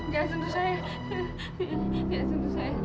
jangan sentuh saya